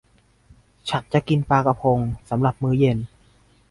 ฉันจะกินปลากระพงสำหรับมื้อเย็น